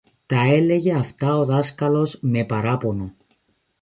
Τα έλεγε αυτά ο δάσκαλος με παράπονο